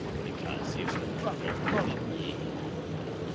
"Because he is the brother of Coligny."